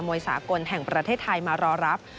วยสากลแห่งประเทศไทยมารอรับ